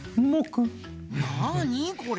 なあにこれ？